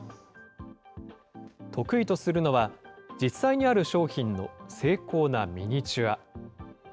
得意とするのは、実際にある商品の精巧なミニチュア。